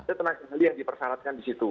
itu yang dipersyaratkan disitu